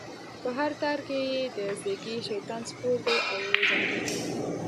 په هر تار کی یې د ږیری؛ شیطان سپور دی او زنګیږی